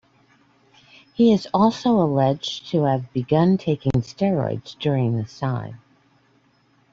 He is also alleged to have begun taking steroids during this time.